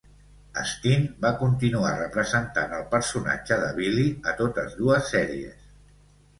Steen va continuar representant el personatge de "Billy" a totes dues sèries.